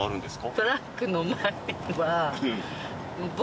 トラックの前は。